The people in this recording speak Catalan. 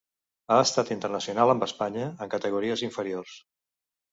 Ha estat internacional amb Espanya en categories inferiors.